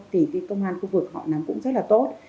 thì cái công an khu vực họ nắm cũng rất là tốt